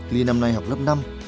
ly năm nay học lớp năm